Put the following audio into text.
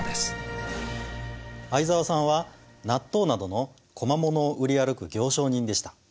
相沢さんは納豆などの小間物を売り歩く行商人でした。